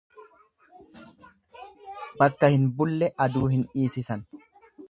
Bakka hin bulle aduu hin dhiisisan.